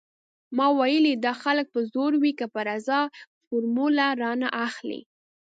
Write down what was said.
ما ويلې دا خلک په زور وي که په رضا فارموله رانه اخلي.